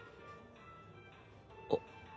あっ。